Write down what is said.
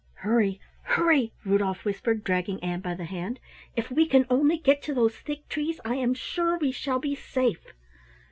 "Hurry, hurry," Rudolf whispered, dragging Ann by the hand. "If we can only get to those thick trees I am sure we shall be safe."